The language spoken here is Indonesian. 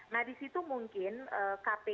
nah di situ mungkin kpu